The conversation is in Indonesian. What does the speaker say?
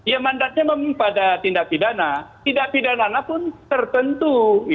ya mandatnya memang pada tindak pidana tindak pidananya pun tertentu